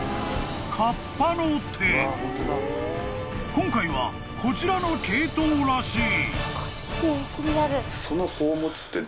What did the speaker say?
［今回はこちらの系統らしい］